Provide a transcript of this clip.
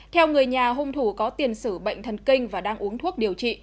theo người nhà hung thủ có tiền sử bệnh thần kinh và đang uống thuốc điều trị